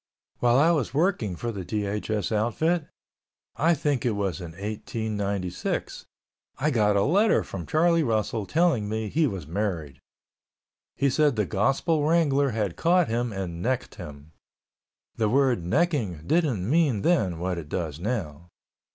While I was working for the DHS outfit, I think it was in 1896, I got a letter from Charlie Russell telling me he was married. He said the gospel wrangler had caught him and necked him. The word "necking" didn't mean then what it does now.